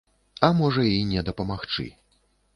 А можа і не дапамагчы.